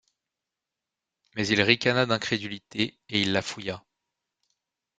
Mais il ricana d’incrédulité, et il la fouilla.